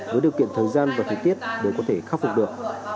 với điều kiện thời gian và thời tiết đều có thể khắc phục được